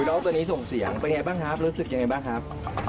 น้องตัวนี้ส่งเสียงเป็นอย่างไรบ้างครับ